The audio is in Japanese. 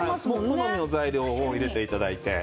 好みの材料を入れて頂いて。